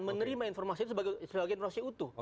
menerima informasi itu sebagai informasi utuh